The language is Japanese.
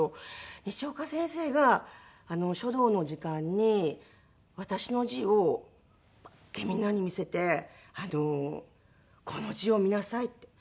ニシオカ先生が書道の時間に私の字をパッてみんなに見せて「この字を見なさい」って。